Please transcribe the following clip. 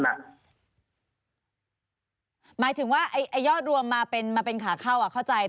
หมายถึงว่ายอดรวมมาเป็นขาเข้าเข้าใจ